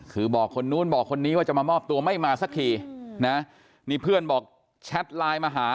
คือบอกคนนู้นบอกคนนี้ว่าจะมามอบตัวไม่มาสักทีนะนี่เพื่อนบอกแชทไลน์มาหา